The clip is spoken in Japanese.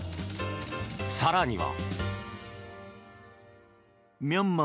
更には。